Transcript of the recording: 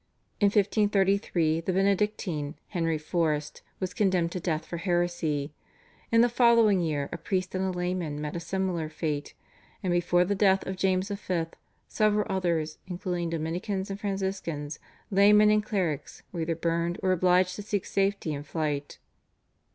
In 1533 the Benedictine, Henry Forest, was condemned to death for heresy; in the following year a priest and a layman met a similar fate, and before the death of James V. several others including Dominicans and Franciscans, laymen and clerics, were either burned or obliged to seek safety in flight.